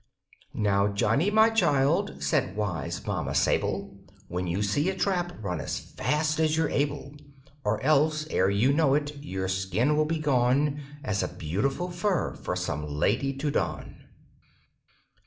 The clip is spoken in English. "Now, Johnnie, my child," said wise Mamma Sable, "When you see a trap run as fast as you're able, Or else, ere you know it, your skin will be gone As a beautiful fur for some lady to don."